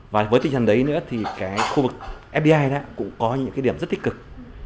và với tình trạng đấy nữa thì khu vực fdi cũng có những điểm rất tích cực